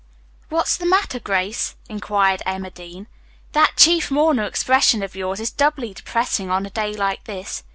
"What's the matter, Grace?" inquired Emma Dean. "That chief mourner expression of yours is doubly depressing on a day like this.